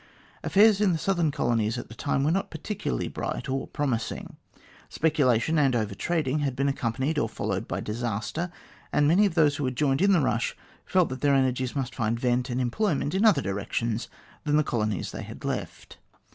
Affairs in the southern colonies at the time were not particularly bright or promising. Speculation and over trading had been accompanied or followed by disaster, and many of those who had joined in the rush felt that their energies must find vent and employment in other directions than the colonies they had left.